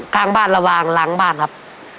กลางบ้านรัววางหลังบ้านครับ